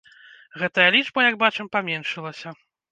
Гэтая лічба, як бачым, паменшылася.